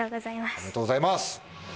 ありがとうございます。